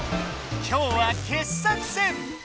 今日は傑作選！